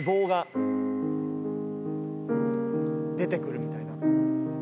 出てくるみたいな。